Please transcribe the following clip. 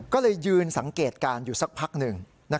ก็เลยยืนสังเกตการณ์อยู่สักพักหนึ่ง